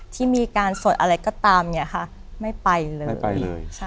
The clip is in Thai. ที่มีการสดอะไรก็ตามเนี้ยค่ะไม่ไปเลยไม่ไปเลยใช่ค่ะ